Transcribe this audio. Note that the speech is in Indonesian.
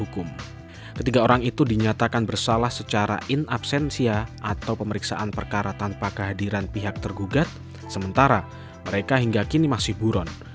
ketiga orang itu dinyatakan bersalah secara in absensia atau pemeriksaan perkara tanpa kehadiran pihak tergugat sementara mereka hingga kini masih buron